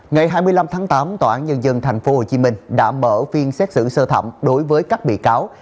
ngày hai mươi năm tháng tám tòa án nhân dân tp hcm đã mở phiên xét xử sơ thẩm đối với các bị cáo